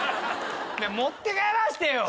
持って帰らせてよ！